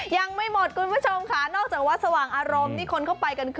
ยังไม่หมดกว่าชมค่ะนอกจากว่าสว่างอารมณ์มีคนก็ไปกัน